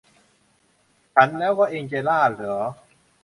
ฉันแล้วก็แองเจล่าหรอ